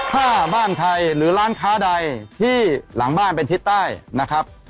ถ้าบ้านไทยหรือร้านค้าใดที่หลังบ้านเป็นทิศใต้นะครับ